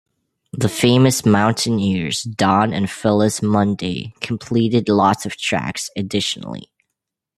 The famous mountaineers Don and Phyllis Munday completed lots of tracks additionally.